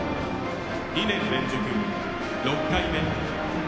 ２年連続６回目。